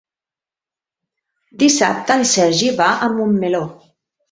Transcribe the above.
Dissabte en Sergi va a Montmeló.